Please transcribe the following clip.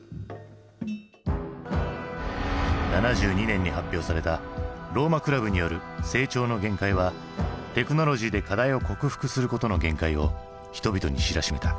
７２年に発表されたローマ・クラブによる「成長の限界」はテクノロジーで課題を克服することの限界を人々に知らしめた。